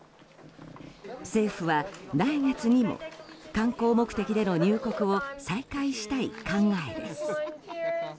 政府は来月にも観光目的での入国を再開したい考えです。